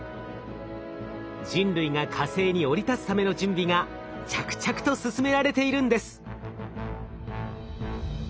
人類が火星に降り立つための準備が着々と進められているんです。